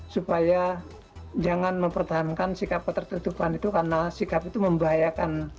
supaya jangan mempertahankan sikap ketertutupan itu karena sikap itu membahayakan orang banyak begitu ya